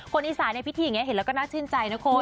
คนอีสานในพิธีอย่างนี้เห็นแล้วก็น่าชื่นใจนะคุณ